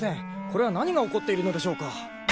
これは何が起こっているのでしょうか？